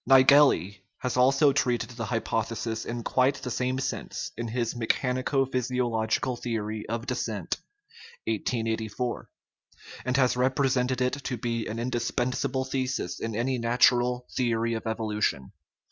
Naegeli has also treated the hypothesis in quite the same sense in his mechanico physiological theory of descent (1884), and 257 THE RIDDLE OF THE UNIVERSE has represented it to be an indispensable thesis in any natural theory of evolution.